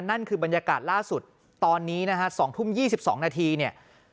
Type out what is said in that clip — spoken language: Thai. นั่นคือบรรยากาศล่าสุดตอนนี้นะฮะ๒ทุ่ม๒๒นาทีเนี่ย